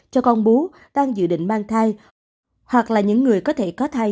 cho con bú đang dự định mang thai hoặc là những người có thể có thai